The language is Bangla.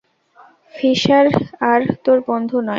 ফিশার আর তোর বন্ধু নয়।